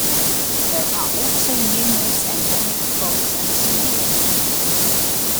There are also numerous endemic frogs and snails.